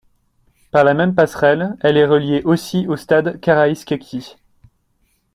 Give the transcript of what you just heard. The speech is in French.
Par la même passerelle elle est reliée aussi au stade Karaïskaki.